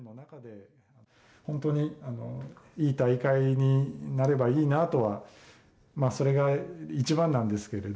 本当にいい大会になればいいなとは、それが一番なんですけれど。